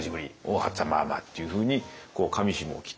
「八っつぁんまあまあ」っていうふうに上下を切って。